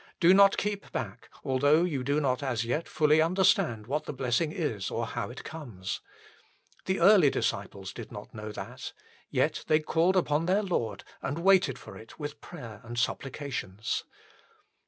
Do not keep back, although you do not as yet fully understand what the blessing is or how it comes. The early 20 THE FULL BLESSING OF PENTECOST disciples did not know that, yet they called upon their Lord and waited for it with prayer and supplications.